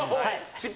失敗！